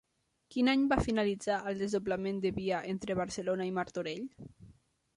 Quin any va finalitzar el desdoblament de via entre Barcelona i Martorell?